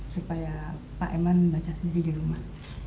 supaya pak eman baca sendiri di rumah